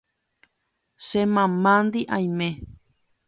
Che mamándi aime.